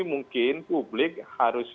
mungkin publik harus